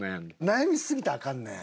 悩みすぎたらアカンねん。